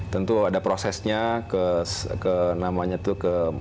tentu ada prosesnya ke mabes angkatan dalaman